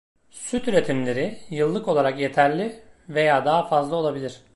Süt üretimleri yıllık olarak yeterli veya daha fazla olabilir.